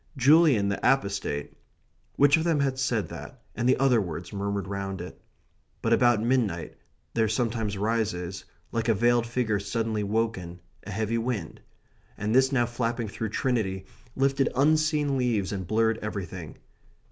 "... Julian the Apostate...." Which of them said that and the other words murmured round it? But about midnight there sometimes rises, like a veiled figure suddenly woken, a heavy wind; and this now flapping through Trinity lifted unseen leaves and blurred everything.